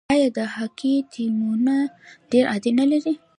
آیا د هاکي ټیمونه ډیر عاید نلري؟